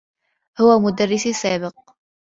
هو مدرّسي السّابق.